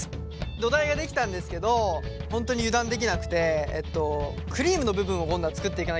土台ができたんですけど本当に油断できなくてクリームの部分を今度は作っていかなければいけません。